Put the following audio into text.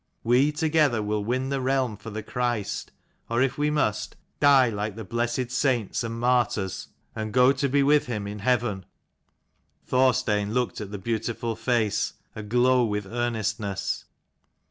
We together will win the realm for the Christ ; or, if we must, die like the 190 blessed saints and martyrs, and go to be with him in heaven." Thorstein looked at the beautiful face, aglow with earnestness.